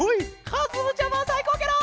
かずむちゃまさいこうケロ！